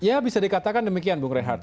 ya bisa dikatakan demikian bung rehat